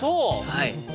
はい。